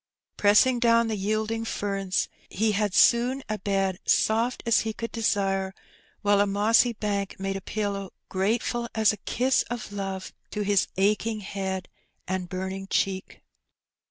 Pressing down the yielding ferns, he had soon a bed soft as he could desire, while a mossy bank made a pillow grateful as a kiss of love to his aching head and burning cheek.